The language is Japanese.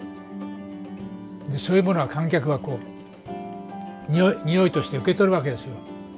そういうものは観客がにおいとして受け取るわけですよ。